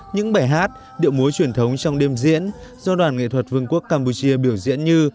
những bài hát điệu múa truyền thống trong đêm diễn do đoàn nghệ thuật vương quốc campuchia biểu diễn như